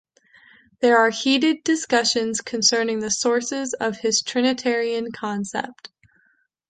There are heated discussions concerning the sources of his trinitarian concept.